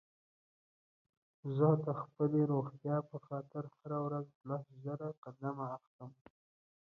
زه د خپلې روغتيا په خاطر هره ورځ لس زره قدمه اخلم